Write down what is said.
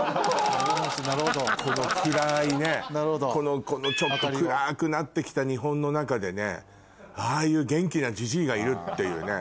この暗いねこのちょっと暗くなって来た日本の中でねああいう元気なジジイがいるっていうね。